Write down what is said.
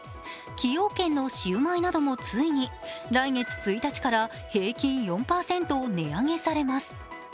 崎陽軒のシウマイなどもついに来月１日から平均４％値上げされます。